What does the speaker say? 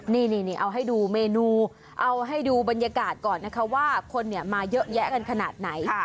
นี่เอาให้ดูเมนูเอาให้ดูบรรยากาศก่อนนะคะว่าคนมาเยอะแยะกันขนาดไหน